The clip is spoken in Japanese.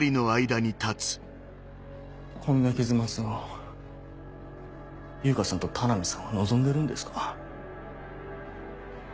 こんな結末を悠香さんと田波さんは望んでるんですか？